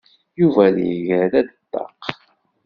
Yuba yerra-d ṭṭaq.